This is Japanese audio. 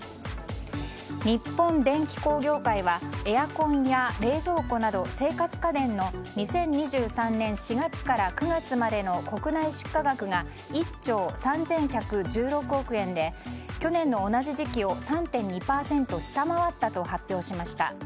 日本電機工業会はエアコンや冷蔵庫など生活家電の２０２３年４月から９月までの国内出荷額が１兆３１１６億円で去年の同じ時期を３．２％下回ったと発表しました。